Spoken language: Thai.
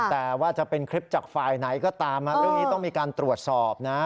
แต่ว่าจะเป็นคลิปจากฝ่ายไหนก็ตามเรื่องนี้ต้องมีการตรวจสอบนะ